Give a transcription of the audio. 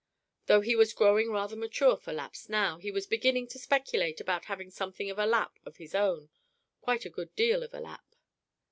Though he was growing rather mature for laps now; he was beginning to speculate about having something of a lap of his own; quite a good deal of a lap.